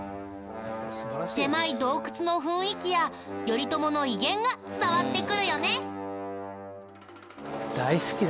狭い洞窟の雰囲気や頼朝の威厳が伝わってくるよね。